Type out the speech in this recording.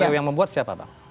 kpu yang membuat siapa pak